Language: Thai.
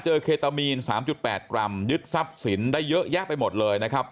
เคตามีน๓๘กรัมยึดทรัพย์สินได้เยอะแยะไปหมดเลยนะครับ